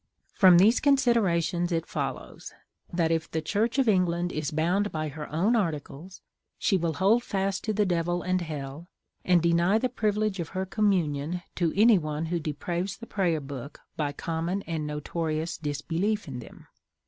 From these considerations it follows that if the Church of England is bound by her own articles she will hold fast to the Devil and hell, and deny the privilege of her Communion to any one who depraves the Prayer Book by common and notorious disbelief in them.